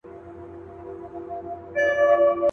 په څپو کي ستا غوټې مي وې لیدلي.